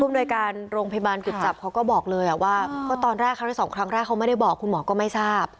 ดวงโดยการโรงพยาบาลกก็บอกที่เมื่อกี้ครั้งนี้กับทั้ง๒ครั้งแรกเขาไม่ได้บอกคุณหมอก็ไม่ทราบ